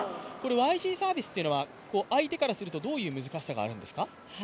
ＹＧサービスというのは相手からするとどういう難しさがあるんですか？